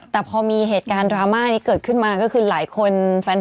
แต่พอมีเหตุการณ์ดราม่านี้เกิดขึ้นมาก็คือหลายคนแฟน